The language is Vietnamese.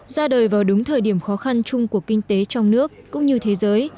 ra đời vào đúng thời điểm khó khăn chung của kinh tế trong nước cũng như thế giới